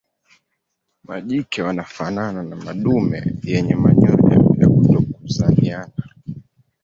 Majike wanafanana na madume yenye manyoya ya kutokuzaliana.